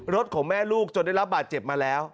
ของแม่ลูกจนได้รับบาดเจ็บมาแล้ว